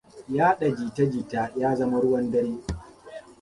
Yaɗa jita-jita ya zama ruwa dare.